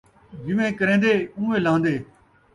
جیویں کرین٘دے ، اون٘ویں لہن٘دے